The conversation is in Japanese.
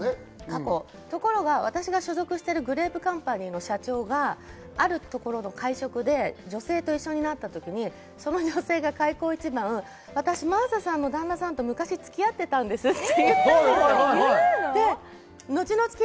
ところが私が所属しているグレープカンパニーの社長があるところの会食で女性と一緒になったとき、その女性が開口一番、私、真麻さんの旦那さんと昔付き合っていたんですと。